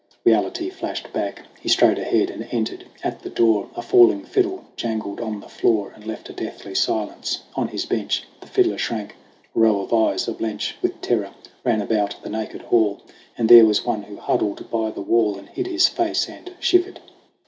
Reality flashed back; He strode ahead and entered at the door. A falling fiddle jangled on the floor And left a deathly silence. On his bench The fiddler shrank. A row of eyes, a blench With terror, ran about the naked hall. And there was one who huddled by the wall And hid his face and shivered.